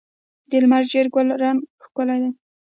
د لمر ګل ژیړ رنګ ښکلی دی.